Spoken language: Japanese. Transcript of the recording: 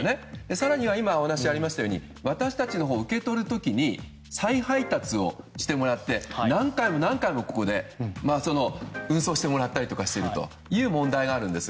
更には今、お話にありましたように私たちが受け取る時に再配達をしてもらって何回も、ここで運送してもらったりしているという問題があるんです。